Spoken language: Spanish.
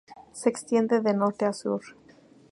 Se extiende de norte a sur.